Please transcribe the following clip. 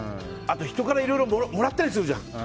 人からもいろいろもらったりするじゃん。